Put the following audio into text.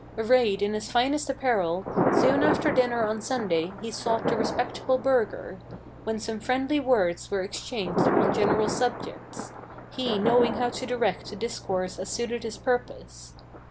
Arrayed in his finest apparel, Soon after dinner on Sunday he sought the respectable burgher, When some friendly words were exchanged upon general subjects, He knowing how to direct the discourse as suited his purpose.